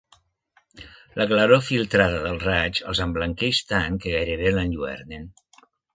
La claror filtrada dels raigs els emblanqueix tant que gairebé l'enlluernen.